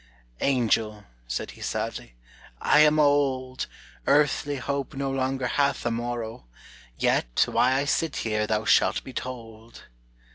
"Angel," said he sadly, "I am old; Earthly hope no longer hath a morrow; Yet, why I sit here thou shalt be told."